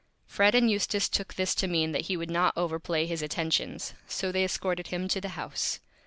Fred and Eustace took this to mean that he would not Overplay his Attentions, so they escorted him to the House.